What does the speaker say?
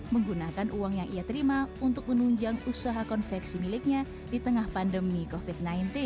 menggunakan uang yang ia terima untuk menunjang usaha konveksi miliknya di tengah pandemi covid sembilan belas